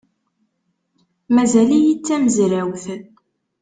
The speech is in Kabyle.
Mazal-iyi d tamezrawt.